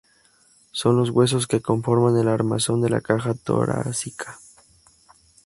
Son los huesos que conforman el armazón de la caja torácica.